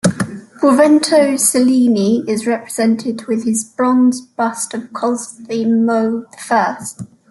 Benvenuto Cellini is represented with his bronze bust of Cosimo the First.